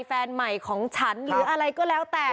แฟนใหม่ของฉันหรืออะไรก็แล้วแต่